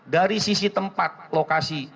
dari sisi tempat lokasi